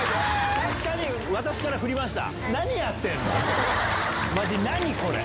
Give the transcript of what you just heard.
確かに私からふりました。